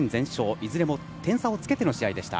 いずれも点差をつけての試合でした。